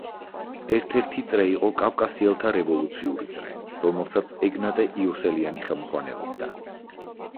ერთ-ერთი წრე იყო „კავკასიელთა რევოლუციური წრე“, რომელსაც ეგნატე იოსელიანი ხელმძღვანელობდა.